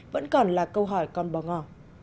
vẫn còn là câu hỏi còn bỏ ngỏ